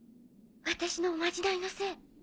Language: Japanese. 私のおまじないのせい。